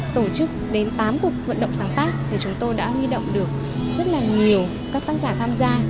tổ chức đến tám cuộc vận động sáng tác thì chúng tôi đã huy động được rất là nhiều các tác giả tham gia